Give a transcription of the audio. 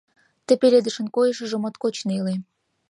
— Ты пеледышын койышыжо моткоч неле».